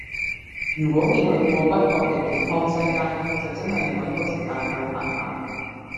如果未去過北角嘅健康西街就真係要搵個時間去行吓